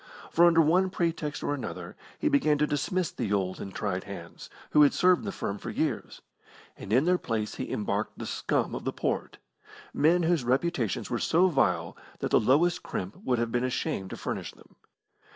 For, under one pretext or another, he began to dismiss the old and tried hands, who had served the firm for years, and in their place he embarked the scum of the port men whose reputations were so vile that the lowest crimp would have been ashamed to furnish them.